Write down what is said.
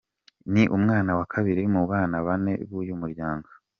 Ni umwana wa kabiri mu bana bane b’uyu muryango.